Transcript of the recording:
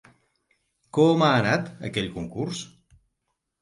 Com ha anat aquell concurs?